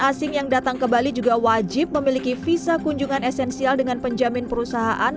asing yang datang ke bali juga wajib memiliki visa kunjungan esensial dengan penjamin perusahaan